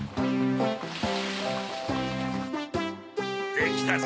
できたぞ！